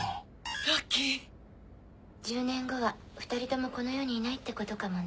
ラッキー１０年後は２人ともこの世にいないってことかもね。